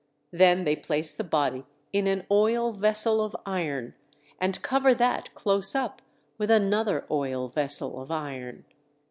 Then they place the body in an oil vessel of iron, and cover that close up with another oil vessel of iron.